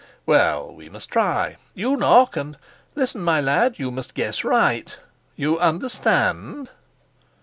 "Well, we must try. You knock, and Listen, my lad. You must guess right. You understand?"